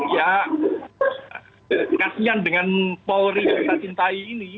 ya kasian dengan polri yang kita cintai ini